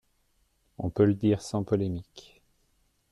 On peut le dire sans polémique.